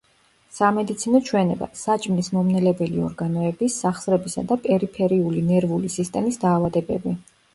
სამედიცინო ჩვენება: საჭმლის მომნელებელი ორგანოების, სახსრებისა და პერიფერიული ნერვული სისტემის დაავადებები.